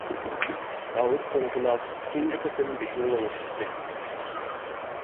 داۋۇت دىڭ قۇلاق ئۈچىنچى قېتىم بېشىنى لىڭشىتتى.